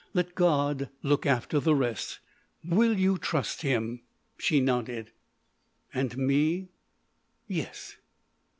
Let God look after the rest. Will you trust Him?" She nodded. "And me?" "Yes."